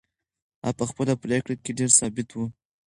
هغه په خپله پرېکړه کې ډېره ثابته وه.